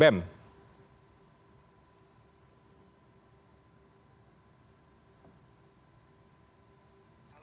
bagaimana cara kita mengatasi